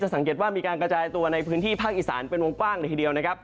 สังเกตว่ามีการกระจายตัวในพื้นที่ภาคอีสานเป็นวงกว้างเลยทีเดียวนะครับ